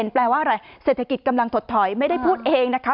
แปลว่าอะไรเศรษฐกิจกำลังถดถอยไม่ได้พูดเองนะคะ